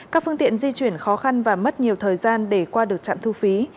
các phương tiện di chuyển khó khăn và mất nhiều thời gian để qua được trạm thu phí